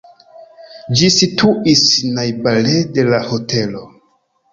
Ĝi situis najbare de la hotelo.